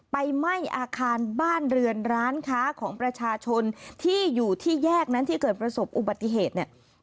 ไหม้อาคารบ้านเรือนร้านค้าของประชาชนที่อยู่ที่แยกนั้นที่เกิดประสบอุบัติเหตุเนี่ย